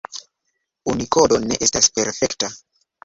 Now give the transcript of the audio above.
Unikodo ne estas perfekta.